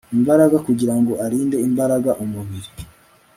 imbaraga kugira ngo arinde imbaraga umubiri